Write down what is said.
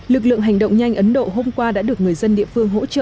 lực lượng hành động nhanh ấn độ hôm qua đã được người dân địa phương hỗ trợ